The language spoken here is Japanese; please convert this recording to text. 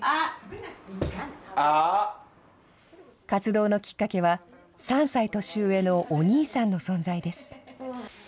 活動のきっかけは、３歳年上のお兄さんの存在です。